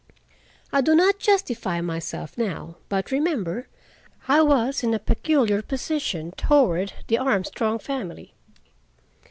I do not justify myself now, but remember, I was in a peculiar position toward the Armstrong family.